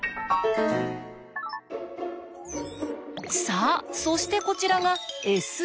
さあそしてこちらが「Ｓ」。